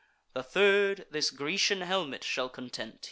The third this Grecian helmet shall content."